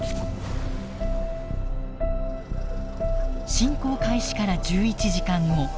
侵攻開始から１１時間後。